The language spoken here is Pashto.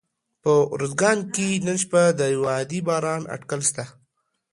په اروزګان کي نن شپه د یوه عادي باران اټکل سته